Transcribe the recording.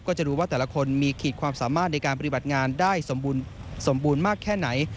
จะรู้ว่าแต่ละคนมีขีดความสามารถในการปฏิบัติงานได้สมบูรณ์มากแค่ไหน